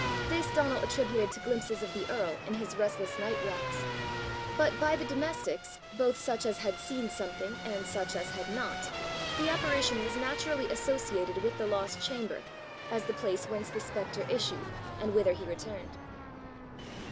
This Donal attributed to glimpses of the earl in his restless night walks; but by the domestics, both such as had seen something and such as had not, the apparition was naturally associated with the lost chamber, as the place whence the spectre issued, and whither he returned.